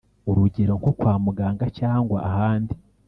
(urugero nko kwa muganga cyangwa ahandi)